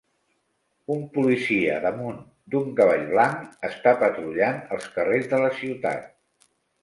Un policia damunt d'un cavall blanc està patrullant els carrers de la ciutat.